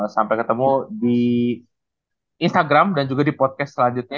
sampai ketemu di instagram dan juga di podcast selanjutnya